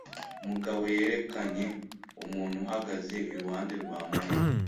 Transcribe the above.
Mugabo yerekanye umuntu uhagaze iruhande rwa Mariya.